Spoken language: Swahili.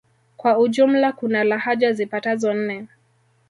Kwa ujumla kuna lahaja zipatazo nne